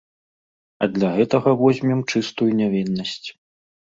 А для гэтага возьмем чыстую нявіннасць.